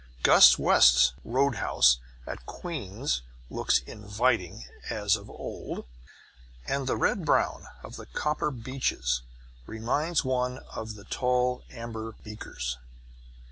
Gus Wuest's roadhouse at Queens looks inviting as of old, and the red brown of the copper beeches reminds one of the tall amber beakers.